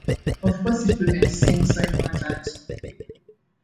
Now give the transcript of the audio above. Of course it wouldn’t seem so important to you.